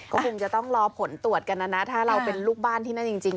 ก็คงจะต้องรอผลตรวจกันนะนะถ้าเราเป็นลูกบ้านที่นั่นจริง